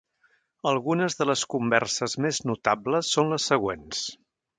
Algunes de les converses més notables són les següents.